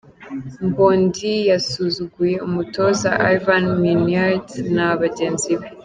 Mbondi yasuzuguye umutoza Ivan Minnaert na bagenzi be.